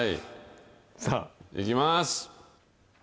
さあ、いきます。